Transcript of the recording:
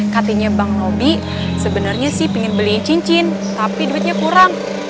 katinya bang robi sebenernya sih pengen beliin cincin tapi duitnya kurang